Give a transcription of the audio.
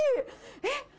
えっ？